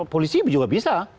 polisi juga bisa